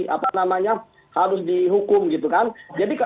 apa namanya harus dihukum gitu kan